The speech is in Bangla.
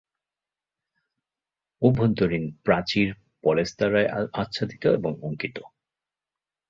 অভ্যন্তরীণ প্রাচীর পলেস্তারায় আচ্ছাদিত এবং অঙ্কিত।